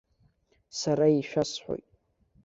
Сара ишәасҳәоит.